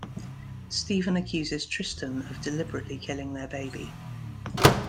Stephen accuses Tristen of deliberately killing their baby.